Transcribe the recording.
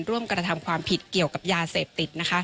ร่วมกระทำความผิดเกี่ยวกับยาเสพติด